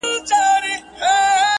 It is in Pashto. له لمبو يې تر آسمانه تلل دودونه.!